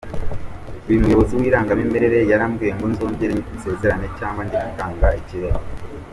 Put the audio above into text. Umuyobozi w’irangamimerere yarambwiye ngo nzongere nsezerane cyangwa njye gutanga ikirego.